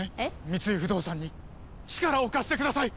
三井不動産に力を貸してください！